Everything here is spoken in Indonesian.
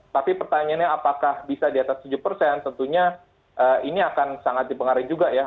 tapi pertanyaannya apakah bisa di atas tujuh persen tentunya ini akan sangat dipengaruhi juga ya